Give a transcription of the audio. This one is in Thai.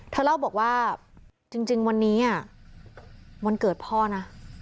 เธอเล่าบอกว่าจริงวันนี้วันเกิดพ่อนะ